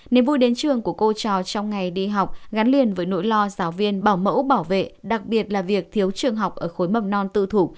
niềm vui đến trường của cô trò trong ngày đi học gắn liền với nỗi lo giáo viên bảo mẫu bảo vệ đặc biệt là việc thiếu trường học ở khối mầm non tư thủ